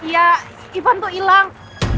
ya ivan tuh ilang